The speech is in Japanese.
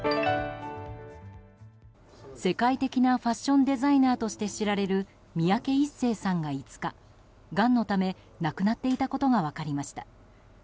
世界的なファッションデザイナーとして知られる三宅一生さんが５日、がんのため亡くなっていたことが分かりました。